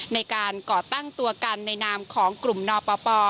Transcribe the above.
ในการก่อตั้งตัวกันในนามของกลุ่มนปป